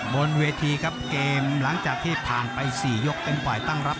บนเวทีครับเกมหลังจากที่ผ่านไป๔ยกเป็นฝ่ายตั้งรับ